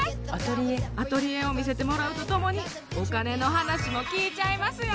アトリエを見せてもらうとともにお金の話も聞いちゃいますよ